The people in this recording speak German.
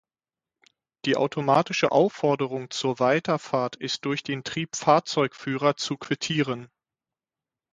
Die automatische Aufforderung zur Weiterfahrt ist durch den Triebfahrzeugführer zu quittieren.